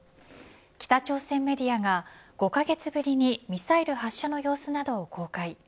北朝鮮メディアが５カ月ぶりにミサイル発射の様子などを公開。